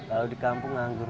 kalau di kampung nganggur